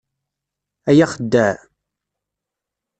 A axeddaɛ!